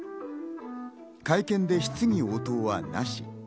会見で質疑応答はなし。